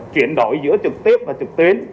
chuyển đổi giữa trực tiếp và trực tuyến